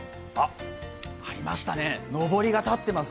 ありましたね、のぼりが立ってます。